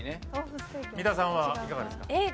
三田さんはいかがですか？